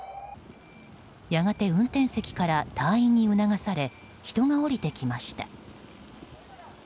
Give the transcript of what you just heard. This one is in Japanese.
やがて、運転席から隊員に促され人が降りてきました。